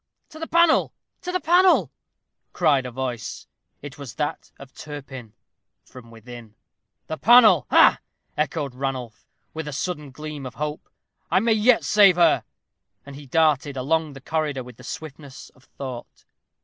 "To the panel! to the panel!" cried a voice it was that of Turpin from within. "The panel! ha!" echoed Ranulph, with a sudden gleam of hope. "I may yet save her." And he darted along the corridor with the swiftness of thought.